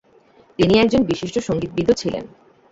তিনি একজন বিশিষ্ট সঙ্গীতবিদও ছিলেন।